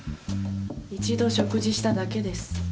一度食事しただけです。